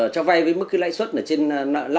cho vai với mức cái lãi suất là trên